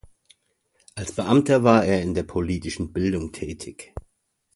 Als Beamter war er in der Politischen Bildung tätig.